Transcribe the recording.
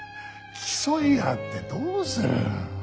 競い合ってどうする。